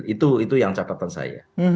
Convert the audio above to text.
itu yang catatan saya